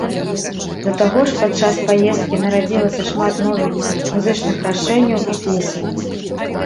Да таго ж пад час паездкі нарадзілася шмат новых музычных рашэнняў і песень.